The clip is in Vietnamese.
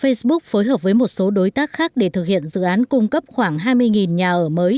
facebook phối hợp với một số đối tác khác để thực hiện dự án cung cấp khoảng hai mươi nhà ở mới